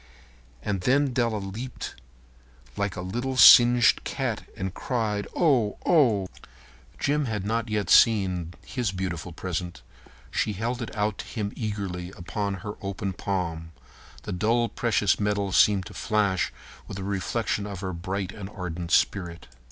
And then Della leaped up like a little singed cat and cried, "Oh, oh!" Jim had not yet seen his beautiful present. She held it out to him eagerly upon her open palm. The dull precious metal seemed to flash with a reflection of her bright and ardent spirit.